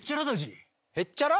へっちゃら？